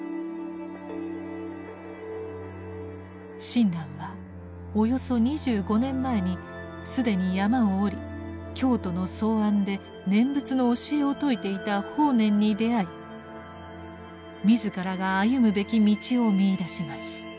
親鸞はおよそ２５年前に既に山を下り京都の草庵で念仏の教えを説いていた法然に出会い自らが歩むべき道を見いだします。